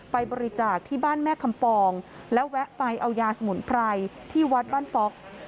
ไปบริจาคที่บ้านแม่คำปองแล้วแวะไปเอายาสมุนไพรที่วัดบ้านฟ็อก